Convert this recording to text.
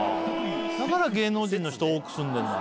だから芸能人の人多く住んでるんだね。